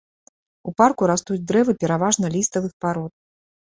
У парку растуць дрэвы пераважна ліставых парод.